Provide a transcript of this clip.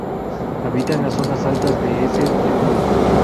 Habita en las zonas altas de ese tepuy.